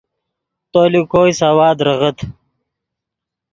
تو لے کوئی سوا دریغت